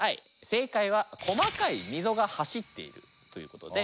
正解は細かい溝が走っているということで。